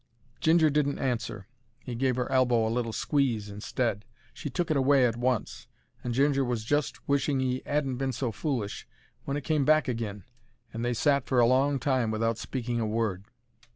Ginger didn't answer, he gave 'er elbow a little squeeze instead. She took it away at once, and Ginger was just wishing he 'adn't been so foolish, when it came back agin, and they sat for a long time without speaking a word.